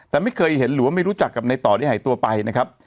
แต่ไม่เคยเห็นหรือว่าไม่รู้จักกับในต่อที่หายตัวไปนะครับ